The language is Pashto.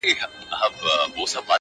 يو ما و تا.